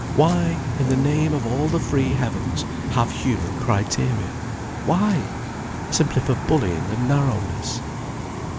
Why, in the name of all the free heavens, have human criteria? Why? Simply for bullying and narrowness.